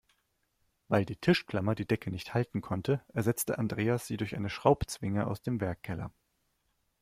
Weil die Tischklammer die Decke nicht halten konnte, ersetzte Andreas sie durch eine Schraubzwinge aus dem Werkkeller.